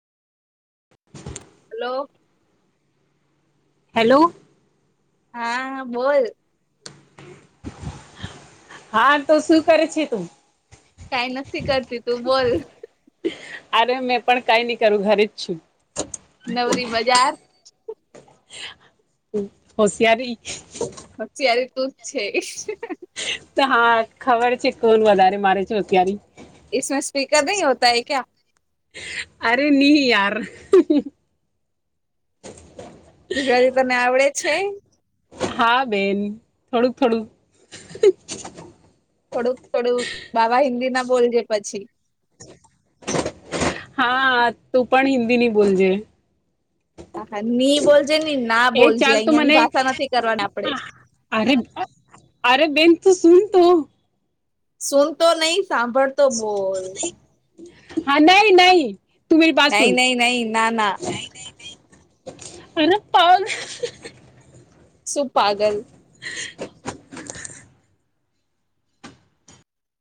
[inaudible] [unintelligible] Hello. Hello. હા બોલ હા તો શું કરે છે તું? કઈ નથીક્કી કરતી તું બોલ? અરે મેં પણ કઈ નહી કરું ઘરે જ છું. નવરી બજાર હોશિયારી. હ ત્યારે તુજ છે. તો હા ખબર છે કોણ વધારે મારે છો ત્યારે મે સ્પીકર નહી હોતા હૈ ક્યા? અરે નિ યાર. ગુજરાતી તને આવડે છે? હા બેન થોડુંક થોડુંક થોડુંક થોડુંક બાવા હિન્દી ના બોલજે પછી. હા તું પણ હિન્દી નની બોલજે. ા ની બોલજે ની ના એ બોલજે ચાલ તો અહિયાંની મને ભાષા નથી કરવાની આપડે. અરે અરે બેન તું સુન તો. સુન તો નહી સાંભળ હા નહી નહી. તુ નહી પાસન નહી નહી ના ના અને પાલ શુ પાગલ?